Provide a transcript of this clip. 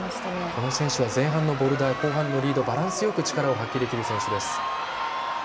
この選手は前半のボルダー、後半のリードバランスよく力を発揮できる選手です。